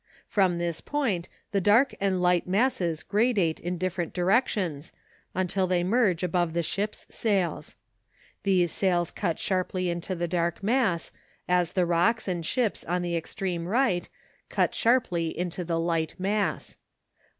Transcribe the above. From this point the dark and light masses gradate in different directions until they merge above the ships' sails. These sails cut sharply into the dark mass as the rocks and ship on the extreme right cut sharply into the light mass.